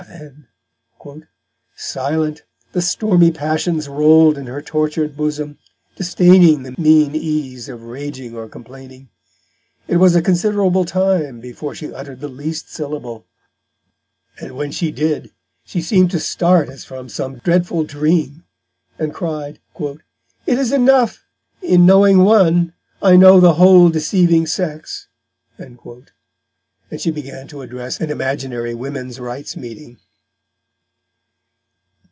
then "silent the stormy Passions roll'd in her tortured Bosom, disdaining the mean Ease of raging or complaining. It was a considerable time before she utter'd the least Syllable; and when she did, she seem'd to start as from some dreadful Dream, and cry'd, 'It is enough in knowing one I know the whole deceiving Sex'"; and she began to address an imaginary Women's Rights Meeting.